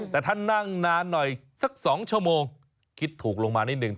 แต่ถ้านั่งนานหน่อยสัก๒ชั่วโมงคิดถูกลงมานิดนึง